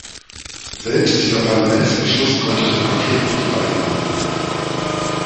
Selbst dieser Parlamentsbeschluss konnte den Konflikt nicht beilegen.